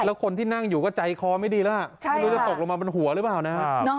แล้วคนที่นั่งอยู่ก็ใจคอไม่ดีแล้วไม่รู้จะตกลงมาบนหัวหรือเปล่านะครับ